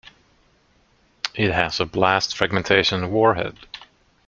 It has a blast-fragmentation warhead.